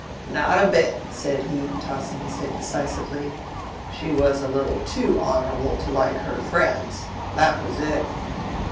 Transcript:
"Not a bit!" said he, tossing his head decisively. "She was a little too honorable to like her friends—that was it!"